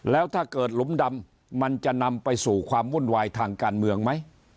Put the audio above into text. แล้วถ้าเกิดหลุมดำมันจะนำไปสู่ความวุ่นวายทางการเมืองไหม